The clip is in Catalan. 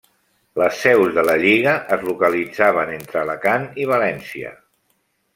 Les seus de la lliga es localitzaven entre Alacant i València.